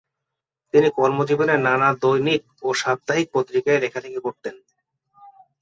তিনি কর্মজীবনে নানা দৈনিক ও সাপ্তাহিক পত্রিকায় লেখালেখি করতেন।